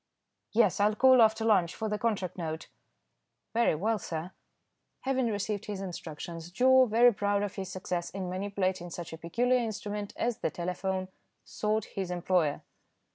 "Yes. I'll call after lunch for the contract note." "Very well, sir." Having received his instructions, Joe, very proud of his success in manipulating such a peculiar instrument as the telephone, sought his employer.